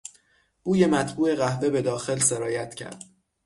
بوی مطبوع قهوه به داخل سرایت کرد.